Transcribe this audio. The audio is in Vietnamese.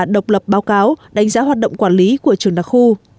độc lập báo cáo đánh giá hoạt động quản lý của trường đặc khu